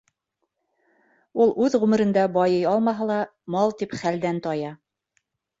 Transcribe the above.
Ул үҙ ғүмеренә байый алмаһа ла, мал тип хәлдән тая.